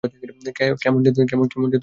কেমন জাত বুঝলাম না।